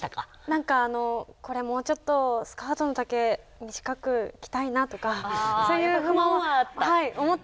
何かこれもうちょっとスカートの丈短く着たいなとかそういう不満ははい思っていました